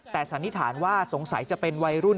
แต่สันนิษฐานว่าสงสัยจะเป็นวัยรุ่น